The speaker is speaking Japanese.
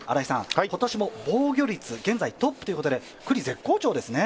今年も防御率、現在トップということで、九里絶好調ですよね。